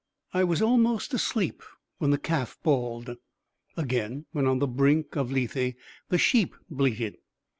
I was almost asleep when the calf bawled; again when on the brink of Lethe, the sheep bleated.